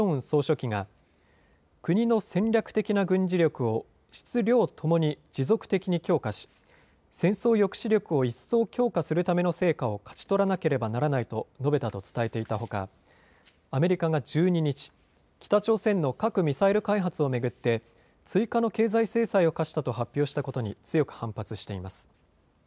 総書記が国の戦略的な軍事力を質、量ともに持続的に強化し戦争抑止力を一層強化するための成果を勝ち取らなければならないと述べたと伝えていたほか、アメリカが１２日、北朝鮮の核・ミサイル開発を巡って追加の経済制裁を科したと発表したことに強く反発しています。